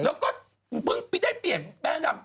แล้วก็เพิ่งได้เปลี่ยนแม่ดำ